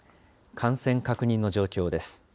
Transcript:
感染確認の状況です。